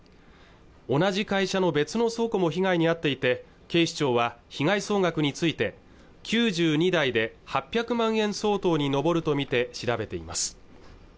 同じ会社の別の倉庫も被害に遭っていて警視庁は被害総額について９２台で８００万円相当に上るとみて調べています